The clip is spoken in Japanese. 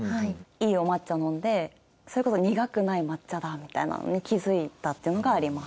いいお抹茶飲んでそれこそ苦くない抹茶だみたいなのに気づいたっていうのがあります。